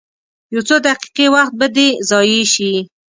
یو څو دقیقې وخت به دې ضایع شي.